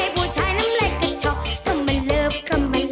ผู้ชายน้ำไรก็ชอบเพราะมันเลิฟเพราะมันไหล่